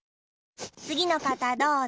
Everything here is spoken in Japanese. つぎのかたどうぞ。